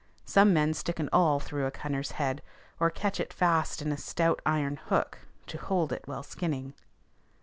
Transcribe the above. Some men stick an awl through a cunner's head, or catch it fast in a stout iron hook, to hold it while skinning.